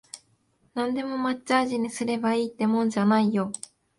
なんでも抹茶味にすればいいってもんじゃないよ